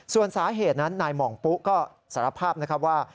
ส่วนสาเหตุนั้นนายหม่องปุ๊ก็สารภาพนะครับว่า